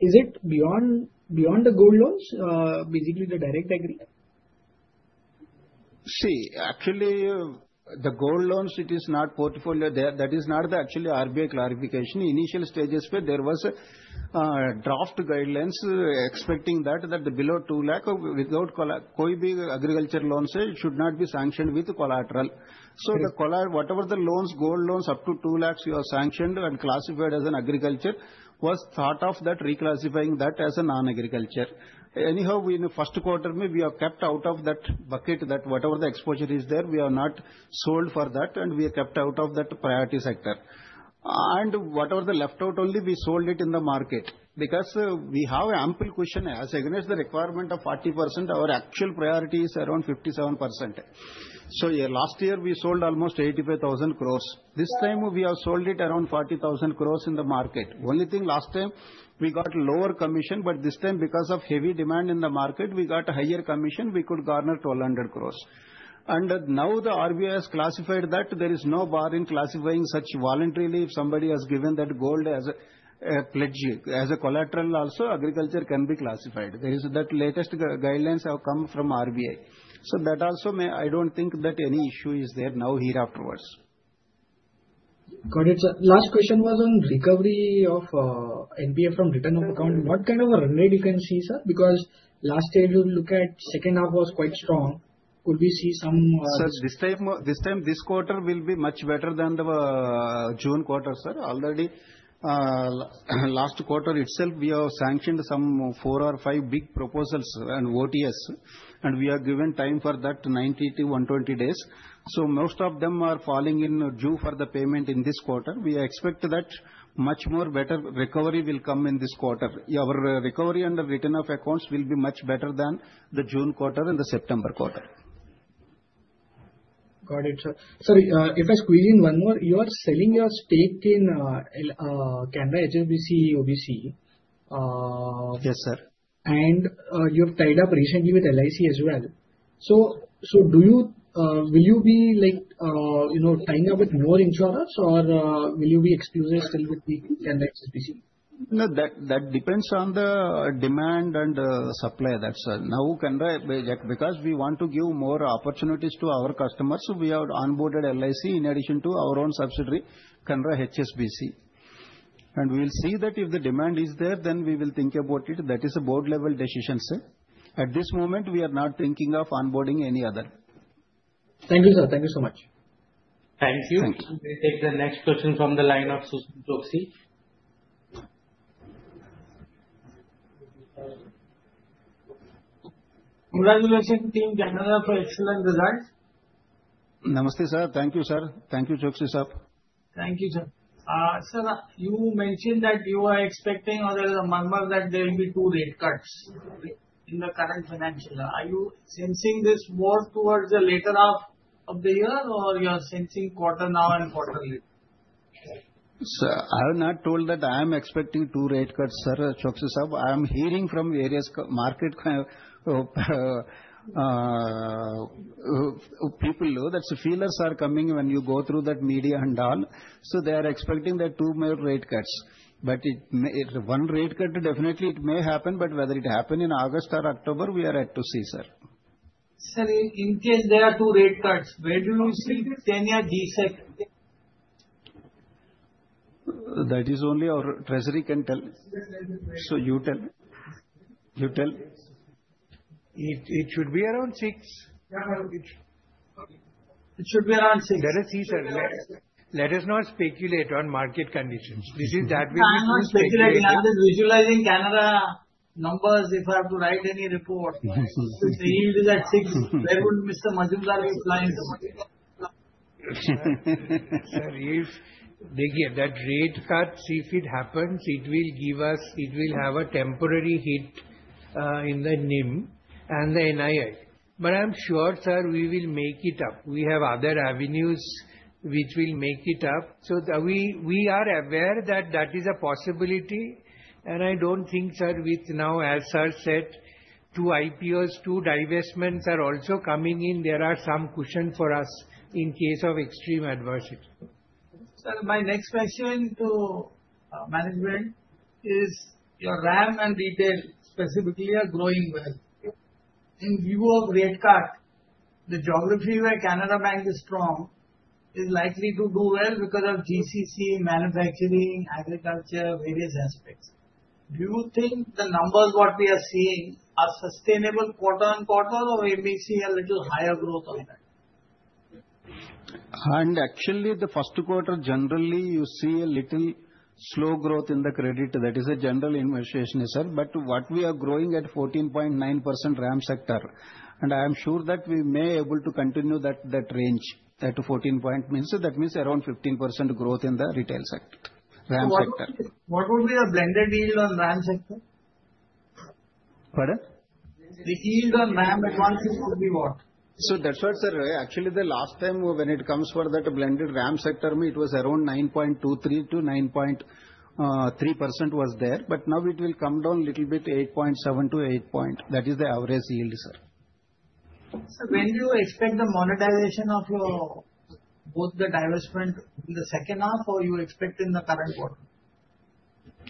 Is it beyond the gold loans, basically the direct agri? See, actually, the gold loans, it is not portfolio there. That is not the actually RBI clarification. Initial stages where there was a draft guidelines expecting that below 2 lakh without collar, कोई भी agriculture loans should not be sanctioned with collateral. So the collar, whatever the loans, gold loans up to 2 lakhs you are sanctioned and classified as an agriculture was thought of that reclassifying that as a non-agriculture. Anyhow, in the first quarter, we have kept out of that bucket that whatever the exposure is there, we are not sold for that and we are kept out of that priority sector. Whatever the left out only, we sold it in the market because we have ample question as against the requirement of 40%, our actual priority is around 57%. Last year we sold almost 85,000 crore. This time we have sold it around 40,000 crore in the market. Only thing last time we got lower commission, but this time because of heavy demand in the market, we got a higher commission, we could garner 1,200 crore. Now the RBI has classified that there is no bar in classifying such voluntarily if somebody has given that gold as a pledge as a collateral also, agriculture can be classified. There is that latest guidelines have come from RBI. That also may, I don't think that any issue is there now here afterwards. Got it, sir. Last question was on recovery of NPA from return of account. What kind of a run rate you can see, sir? Because last year you look at second half was quite strong. Could we see some? Sir, this time this quarter will be much better than the June quarter, sir. Already, last quarter itself we have sanctioned some four or five big proposals and OTS, and we have given time for that 90-120 days. Most of them are falling in due for the payment in this quarter. We expect that much more better recovery will come in this quarter. Your recovery under return of accounts will be much better than the June quarter and the September quarter. Got it, sir. Sorry, if I squeeze in one more, you are selling your stake in Canara HSBC OBC. Yes, sir. You have tied up recently with LIC as well. Do you, will you be tying up with more insurers or will you be exclusive still with Canara HSBC? That depends on the demand and supply. That is now Canara because we want to give more opportunities to our customers. We have onboarded LIC in addition to our own subsidiary, Canara HSBC. We will see that if the demand is there, then we will think about it. That is a board level decision, sir. At this moment, we are not thinking of onboarding any other. Thank you, sir. Thank you so much. Thank you. We'll take the next question from the line of Susan Chokshi. Congratulations team Canara for excellent results. Namaste, sir. Thank you, sir. Thank you, Chokshi sir. Thank you, sir. Sir, you mentioned that you are expecting or there is a murmur that there will be two rate cuts in the current financial. Are you sensing this more towards the later half of the year or you are sensing quarter now and quarter later? Sir, I have not told that I am expecting two rate cuts, sir. Chokshi, sir, I am hearing from various market. People know that feelers are coming when you go through that media and all. They are expecting that two more rate cuts. One rate cut definitely it may happen, but whether it happen in August or October, we are yet to see, sir. Sir, in case there are two rate cuts, where do you see 10 year G-Sec? That is only our treasury can tell. You tell. It should be around six. It should be around six. That is, see, sir, let us not speculate on market conditions. This is that way we speculate. I'm just visualizing Canara numbers if I have to write any report. If it is at six, that would miss the Muslims are flying. Sir, if that rate cut, if it happens, it will give us, it will have a temporary hit in the NIM and the NII. I am sure, sir, we will make it up. We have other avenues which will make it up. We are aware that that is a possibility. I do not think, sir, with now, as sir said, two IPOs, two divestments are also coming in. There are some cushion for us in case of extreme adversity. Sir, my next question to management is your RAM and retail specifically are growing well. In view of rate cut, the geography where Canara Bank is strong is likely to do well because of GCC, manufacturing, agriculture, various aspects. Do you think the numbers what we are seeing are sustainable quarter on quarter or maybe see a little higher growth on that? Actually, the first quarter generally you see a little slow growth in the credit. That is a general investigation, sir. What we are growing at is 14.9% RAM sector. I am sure that we may be able to continue that range. That 14 point means that means around 15% growth in the retail sector, RAM sector. What would be the blended yield on RAM sector? Pardon? The yield on RAM advances would be what? That's what, sir. Actually, the last time when it comes for that blended RAM sector, it was around 9.23-9.3% was there. Now it will come down a little bit to 8.7-8%. That is the average yield, sir. When do you expect the monetization of both the divestment in the second half, or do you expect it in the current quarter?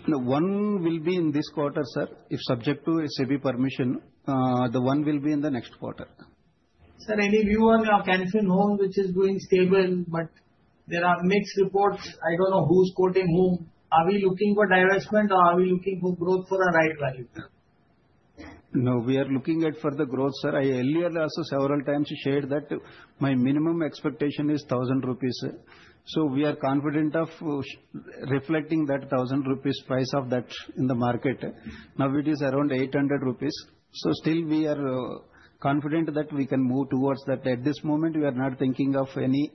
The one will be in this quarter, sir. If subject to SEBI permission, the one will be in the next quarter. Sir, any view on your Canfin Homes, which is going stable, but there are mixed reports. I don't know who's quoting whom. Are we looking for divestment or are we looking for growth for a right value? No, we are looking at further growth, sir. I earlier also several times shared that my minimum expectation is 1,000 rupees. So we are confident of reflecting that 1,000 rupees price of that in the market. Now it is around 800 rupees. So still we are confident that we can move towards that. At this moment, we are not thinking of any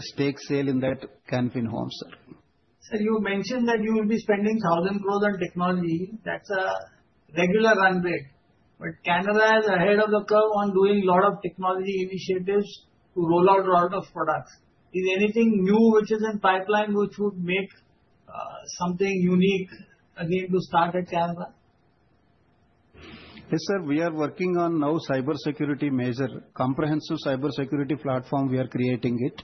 stake sale in that Canfin Homes, sir. Sir, you mentioned that you will be spending 1,000 on technology. That's a regular run rate. Canara is ahead of the curve on doing a lot of technology initiatives to roll out a lot of products. Is anything new which is in pipeline which would make something unique again to start at Canara? Yes, sir. We are working on now cyber security measure, comprehensive cyber security platform we are creating it.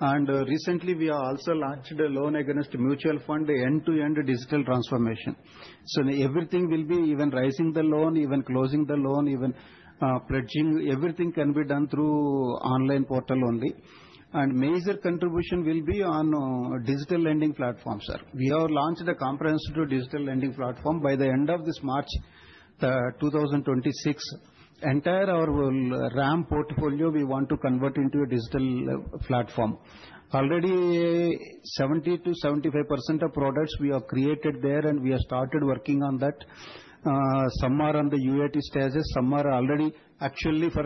Recently we have also launched a loan against mutual fund end-to-end digital transformation. Everything will be, even raising the loan, even closing the loan, even pledging. Everything can be done through online portal only. Major contribution will be on digital lending platform, sir. We have launched a comprehensive digital lending platform by the end of this March 2026. Entire our RAM portfolio we want to convert into a digital platform. Already, 70%-75% of products we have created there and we have started working on that. Somewhere on the UAT stages, somewhere already actually for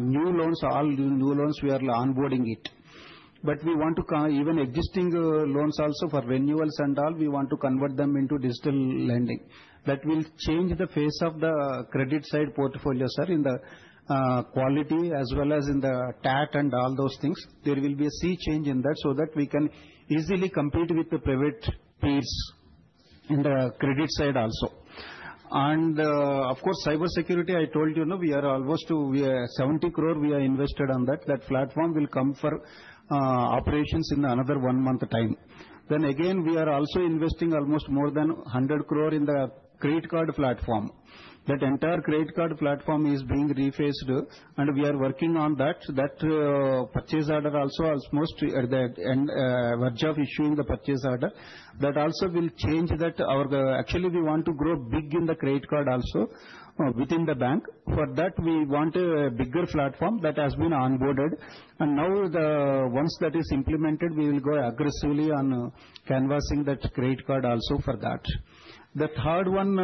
new loans, all new loans we are onboarding it. We want to even existing loans also for renewals and all, we want to convert them into digital lending. That will change the face of the credit side portfolio, sir, in the quality as well as in the TAT and all those things. There will be a sea change in that so that we can easily compete with the private peers in the credit side also. Of course, cyber security, I told you, we are almost to 70 crore we are invested on that. That platform will come for operations in another one month time. Again, we are also investing almost more than 100 crore in the credit card platform. That entire credit card platform is being refaced and we are working on that. That purchase order also almost at the verge of issuing the purchase order. That also will change that our actually we want to grow big in the credit card also within the bank. For that, we want a bigger platform that has been onboarded. Now once that is implemented, we will go aggressively on canvassing that credit card also for that. The third one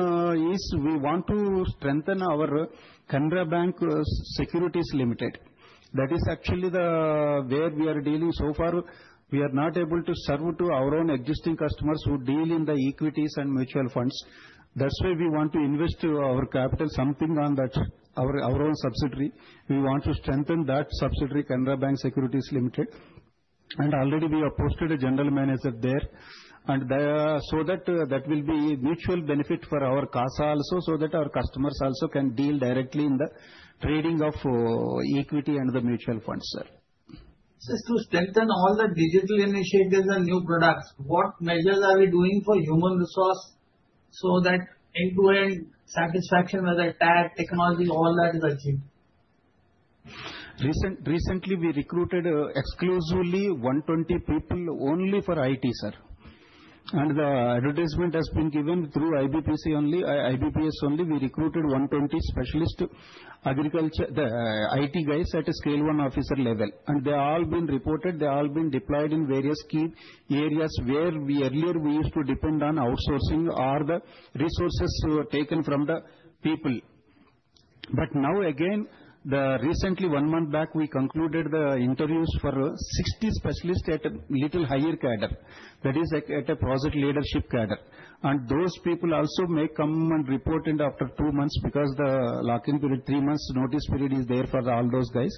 is we want to strengthen our Canara Bank Securities Limited. That is actually where we are dealing so far. We are not able to serve to our own existing customers who deal in the equities and mutual funds. That's why we want to invest our capital something on that our own subsidiary. We want to strengthen that subsidiary, Canara Bank Securities Limited. Already we have posted a general manager there. That will be mutual benefit for our CASA also so that our customers also can deal directly in the trading of equity and the mutual funds, sir. To strengthen all the digital initiatives and new products, what measures are we doing for human resource so that end-to-end satisfaction with the TAT technology, all that is achieved? Recently, we recruited exclusively 120 people only for IT, sir. The advertisement has been given through IBPS only. We recruited 120 specialist agriculture IT guys at a scale one officer level. They have all been reported. They have all been deployed in various key areas where earlier we used to depend on outsourcing or the resources taken from the people. Now, again, recently one month back, we concluded the interviews for 60 specialists at a little higher cadre. That is at a project leadership cadre. Those people also may come and report after two months because the lock-in period, three months notice period is there for all those guys.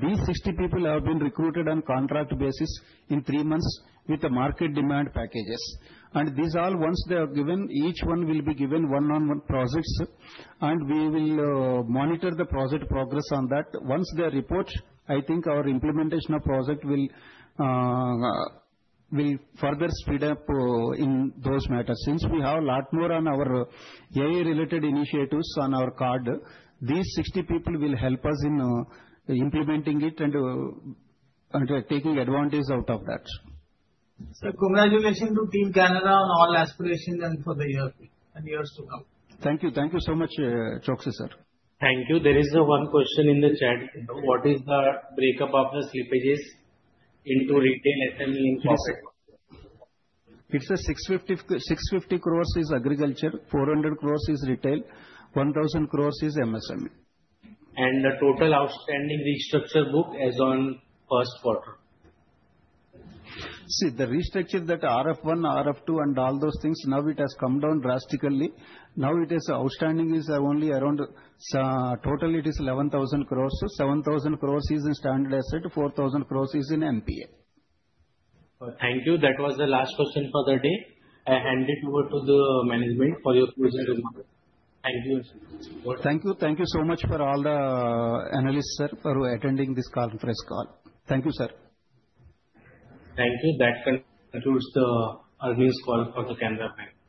These 60 people have been recruited on contract basis in three months with the market demand packages. Once they have given, each one will be given one-on-one projects. We will monitor the project progress on that. Once they report, I think our implementation of project will further speed up in those matters. Since we have a lot more on our AI-related initiatives on our card, these 60 people will help us in implementing it and taking advantage out of that. Sir, congratulations to team Canara on all aspirations and for the years to come. Thank you. Thank you so much, Chokshi sir. Thank you. There is one question in the chat. What is the breakup of the slippages into retail SME in Canara Bank? It's 650 crore is agriculture, 400 crore is retail, 1,000 crore is MSME. The total outstanding restructure book as on first quarter? See, the restructure that RF1, RF2, and all those things, now it has come down drastically. Now it is outstanding is only around. Total it is 11,000 crore. 7,000 crore is in standard asset, 4,000 crore is in NPA. Thank you. That was the last question for the day. I hand it over to the management for your closing remarks. Thank you. Thank you. Thank you so much for all the analysts, sir, for attending this conference call. Thank you, sir. Thank you. That concludes the news call for Canara Bank.